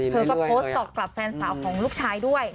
เธอก็โพสต์ตอบกลับแฟนสาวของลูกชายด้วย